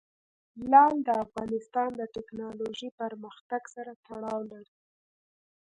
لعل د افغانستان د تکنالوژۍ پرمختګ سره تړاو لري.